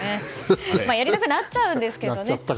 やりたくなっちゃうんですけどね。